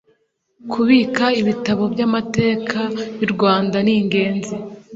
kubika ibitabo bya mateka yu rwanda ningenzi